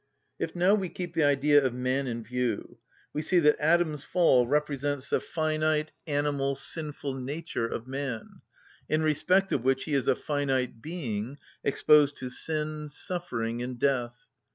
If now we keep the Idea of man in view, we see that Adam's fall represents the finite, animal, sinful nature of man, in respect of which he is a finite being, exposed to sin, suffering, and death.